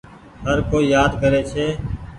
هر ڪوئي يآد ڪري ڇي۔